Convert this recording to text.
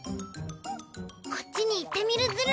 こっちに行ってみるズラ。